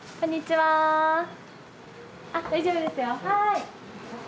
はい。